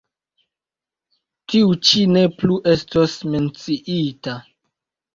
Tiu ĉi ne plu estos menciita.